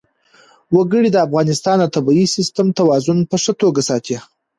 وګړي د افغانستان د طبعي سیسټم توازن په ښه توګه ساتي.